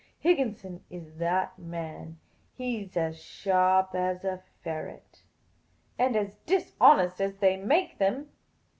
Higginson is that man. He 's as sharp as a ferret." " And as dishonest as they make them."